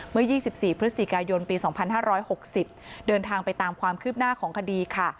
เมื่อ๒๔พฤศจิกายนปี๒๕๖๐เดินทางไปตามความคืบหน้าของคดีค่ะ